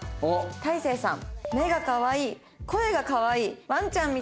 「大聖さん」。